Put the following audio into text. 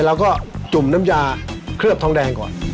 จุ่มน้ำยาเคลือบทองแดงก่อน